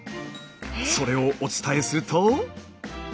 それをお伝えすると。